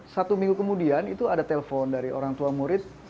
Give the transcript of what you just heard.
satu minggu kemudian itu ada telepon dari orang tua murid